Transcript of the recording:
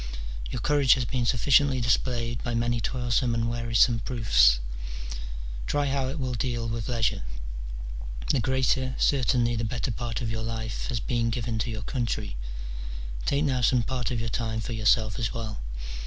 Your courage has been sufficiently displayed by many toilsome and wearisome proofs ; try how it will deal with leisure : the greater, certainly the better part of your life, has been given to your country ; take now^ some part of your time for yourself as well.